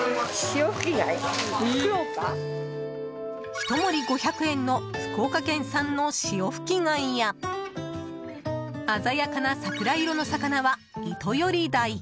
ひと盛り５００円の福岡県産のシオフキ貝や鮮やかな桜色の魚はイトヨリダイ。